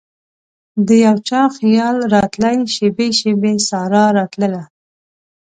دیو چا خیال راتلي شیبې ،شیبې سارا راتلله